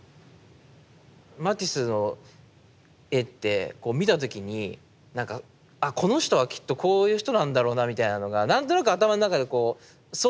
マティスの絵って見た時になんかあこの人はきっとこういう人なんだろうなみたいなのが何となく頭の中でこう想像できるような。